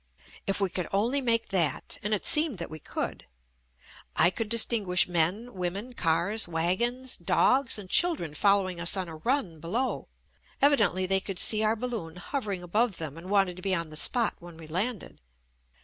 If we could only make that, and it seemed that we could. I could distinguish men, women, cars, wagons, dogs and children following us on a run below. Evidently they could see our balloon hovering above them and wanted to be on the spot when we landed.